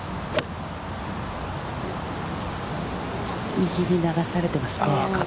右に流されていますね。